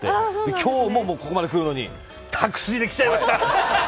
今日もここまで来るのにタクシーで来ちゃいました！